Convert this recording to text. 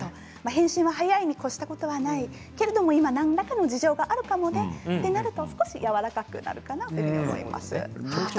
返信は早いにこしたことはないけれども何らかの事情があるかもねと考えるとやわらかくなります。